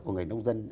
của người nông dân